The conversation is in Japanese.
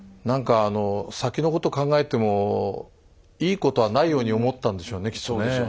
なんかあの先のこと考えてもいいことはないように思ったんでしょうねきっとね。